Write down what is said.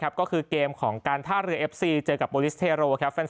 ก็คือเกมของการท่าเรือเอฟซีเจอกับโบลิสเทโรครับ